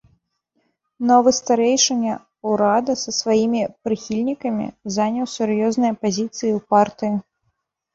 Новы старшыня ўрада са сваімі прыхільнікамі заняў сур'ёзныя пазіцыі ў партыі.